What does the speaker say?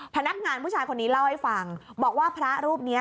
พนักงานผู้ชายคนนี้เล่าให้ฟังบอกว่าพระรูปนี้